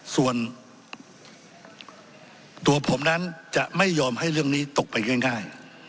ส่วนตัวผมนั้นจะไม่ยอมให้เรื่องนี้ตกไปง่าย